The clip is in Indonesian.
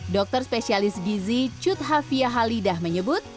dokter spesialis gizi chut havia halidah menyebut